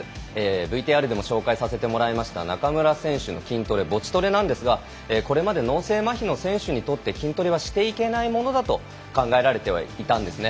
ＶＴＲでも紹介させてもらいました中村選手のボチトレなんですがこれまで脳性まひの選手にとって筋トレはしてはいけないものだと考えられていたんですね。